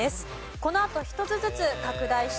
このあと１つずつ拡大していきます。